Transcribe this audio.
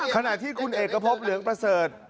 ขณะที่คุณเอกพบเหลืองประเสริฐ